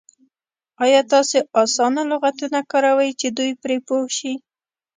ایا تاسې اسانه لغتونه کاروئ چې دوی پرې پوه شي؟